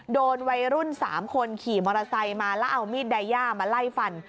โดนวัยรุ่น๓คนขี่มอเตอร์ไซค์มาแล้วเอามีดไดย่ามาไล่ฟัน